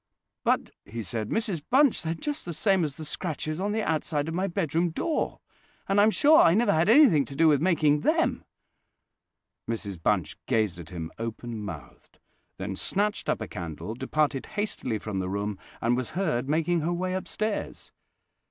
"But," he said, "Mrs Bunch, they are just the same as the scratches on the outside of my bedroom door; and I'm sure I never had anything to do with making them." Mrs Bunch gazed at him open mouthed, then snatched up a candle, departed hastily from the room, and was heard making her way upstairs.